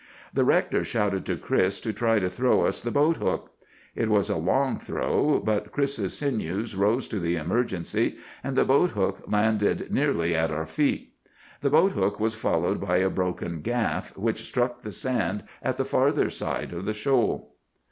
"The rector shouted to Chris to try to throw us the boat hook. It was a long throw, but Chris's sinews rose to the emergency, and the boat hook landed nearly at our feet. The boat hook was followed by a broken gaff, which struck the sand at the farther side of the shoal.